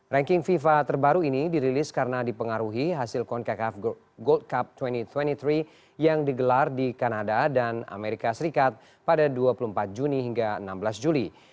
ranking fifa terbaru ini dirilis karena dipengaruhi hasil concakaf world cup dua ribu dua puluh tiga yang digelar di kanada dan amerika serikat pada dua puluh empat juni hingga enam belas juli